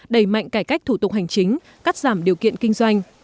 đẩy mạnh cải cách thủ tục hành chính cắt giảm điều kiện kinh doanh